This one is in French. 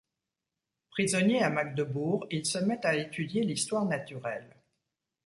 Prisonnier à Magdebourg, il se met à étudier l'histoire naturelle.